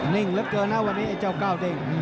นิ่งเหลือเกินนะวันนี้ไอ้เจ้าก้าวเด้ง